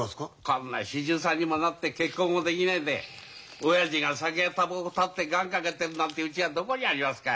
こんな４３にもなって結婚もできねえでオヤジが酒やタバコも断って願かけてるなんてうちがどこにありますか。